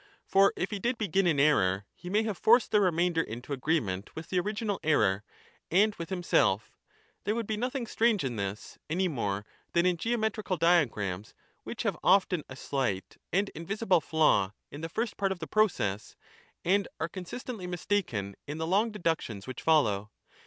For if he did begin in error, he may have forced the remainder into agreement with the original error and with himself ; there would be nothing strange in this, any more than in geo metrical diagrams, which have often a slight and invisible flaw in the first part of the process, and are consistently mistaken in the long deductions which follow.